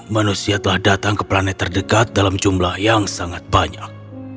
manusia telah datang ke planet terdekat dalam jumlah yang sangat banyak